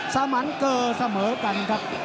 ซาหมันเกิ้ร์ซาเหมือกันครับ